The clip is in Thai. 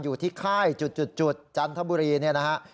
อยู่ที่ค่ายจุดจันทบุรีเนี่ยนะฮะ